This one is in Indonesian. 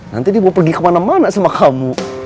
nanti dia mau pergi kemana mana sama kamu